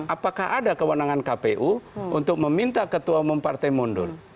apakah ada kewenangan kpu untuk meminta ketua umum partai mundur